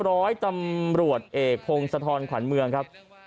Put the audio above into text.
ร้อยตำรวจเอกพงศธรขวัญเมืองครับ